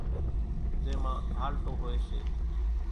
زين مان ڍالٽو ھوئي سي،